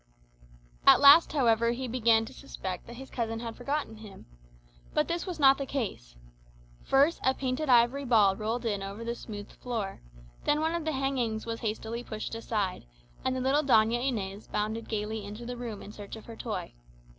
At last, however, he began to suspect that his cousin had forgotten him. But this was not the case. First a painted ivory ball rolled in over the smooth floor; then one of the hangings was hastily pushed aside, and the little Doña Inez bounded gaily into the room in search of her toy.